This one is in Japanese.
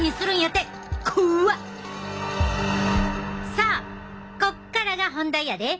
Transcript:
さあこっからが本題やで！